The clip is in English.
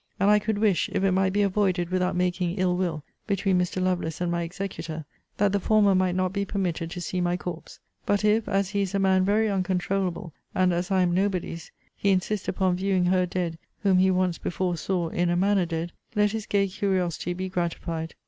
And I could wish, if it might be avoided without making ill will between Mr. Lovelace and my executor, that the former might not be permitted to see my corpse. But if, as he is a man very uncontroulable, and as I am nobody's, he insist upon viewing her dead, whom he ONCE before saw in a manner dead, let his gay curiosity be gratified.